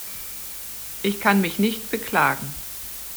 Ich kann mich nicht beklagen.